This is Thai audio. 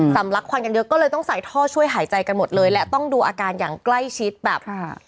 ลักควันกันเยอะก็เลยต้องใส่ท่อช่วยหายใจกันหมดเลยและต้องดูอาการอย่างใกล้ชิดแบบค่ะ